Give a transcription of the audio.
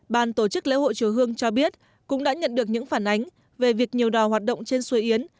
ban tổ chức lễ hội chùa hương cho biết cũng đã nhận được những phản ánh về việc nhiều đò hoạt động trên suối yến